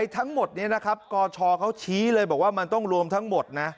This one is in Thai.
ทั้งหมดนี้นะครับกชเขาชี้เลยบอกว่ามันต้องรวมทั้งหมดนะ